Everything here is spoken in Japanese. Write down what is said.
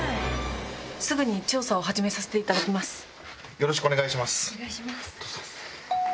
よろしくお願いします。